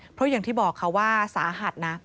เพราะอย่างที่บอกค่ะว่าสาหัสนะ